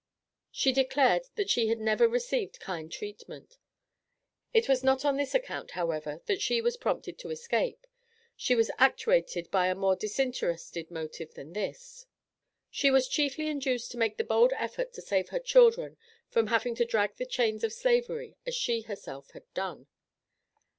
She declared that she had never received "kind treatment." It was not on this account, however, that she was prompted to escape. She was actuated by a more disinterested motive than this. She was chiefly induced to make the bold effort to save her children from having to drag the chains of Slavery as she herself had done.